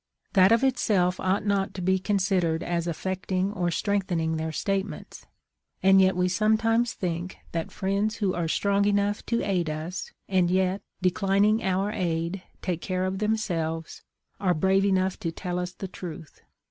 That of itself ought not to be considered as aflecting or strengthening their statements, and yet we sometimes think that friends who are strong enough to aid us, and yet, declining our aid, take care of themselves, are brave enough to tell us the truth.